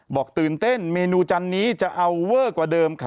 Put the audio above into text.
บอกตื่นเต้นเมนูจานนี้จะเอาเว้อกว่าเดิม